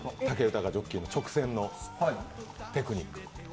武豊ジョッキーの直線のテクニック。